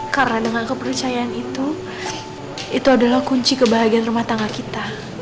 karena dengan kepercayaan itu itu adalah kunci kebahagiaan rumah tangga kita